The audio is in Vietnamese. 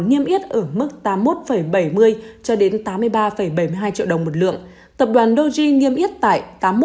nghiêm yết ở mức tám mươi một bảy mươi cho đến tám mươi ba bảy mươi hai triệu đồng một lượng tập đoàn doji nghiêm yết tại tám mươi một bảy mươi